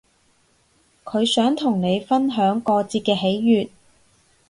佢想同你分享過節嘅喜悅